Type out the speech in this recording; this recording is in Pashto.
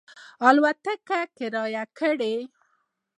الوتکه کرایه کړه.